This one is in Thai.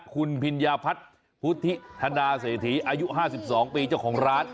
คุณพิญญาพัฒน์พุทธิธนาเศรษฐีอายุ๕๒ปีเจ้าของร้าน